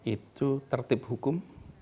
itu tertib hukum